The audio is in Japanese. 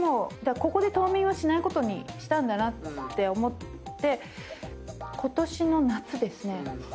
ここで冬眠はしないことにしたんだなって思って。